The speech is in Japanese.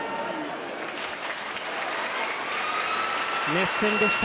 熱戦でした。